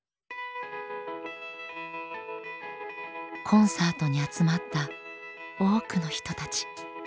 コンサートに集まった多くの人たち。